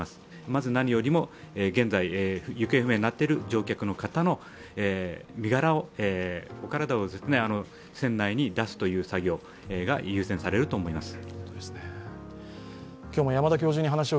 まず何よりも、現在、行方不明になっている乗客の方のお体を、船外に出すという作業が優先されると思います。